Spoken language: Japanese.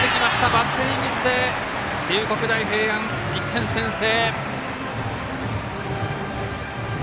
バッテリーミスで龍谷大平安１点先制。